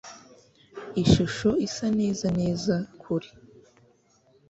Ishusho isa neza neza kure.